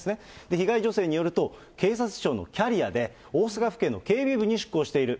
被害女性によると、警察庁のキャリアで、大阪府警の警備部に出向している。